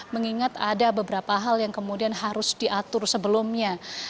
mengingat ada beberapa hal yang kemudian harus diatur sebelumnya